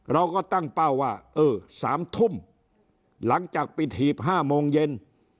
เราก็ตั้งเป้าว่าเออ๓ทุ่มหลังจากปิดหีบ๕โมงเย็น